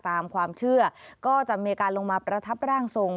ตามความเชื่อก็จะมีการลงมาประทับร่างทรง